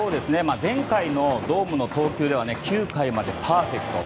前回の大野の投球では９回までパーフェクト。